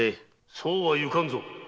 ・そうはゆかんぞ！